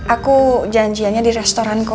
aku janjiannya di restoran ko